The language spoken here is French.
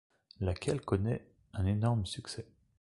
Laquelle connait un énorme succès.